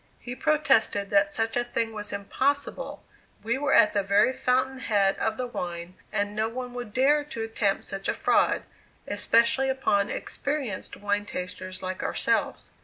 '" He protested that such a thing was impossible; we were at the very fountain head of the wine, and no one would dare to attempt such a fraud, especially upon experienced wine tasters like ourselves.